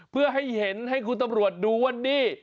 เพื่อให้เห็นให้คุณตำรวจดูว่านี่